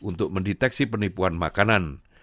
untuk mendeteksi penipuan makanan